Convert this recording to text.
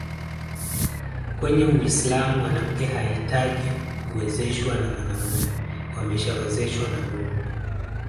Kwenye Uislamu mwanamke hahitaji kuwezeshwa na mwanaume wameshawezeshwa na Mungu